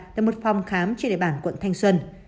tại một phòng khám trên đề bản quận thanh xuân